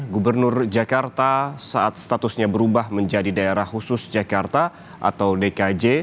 gubernur jakarta saat statusnya berubah menjadi daerah khusus jakarta atau dkj